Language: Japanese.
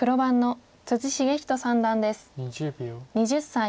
２０歳。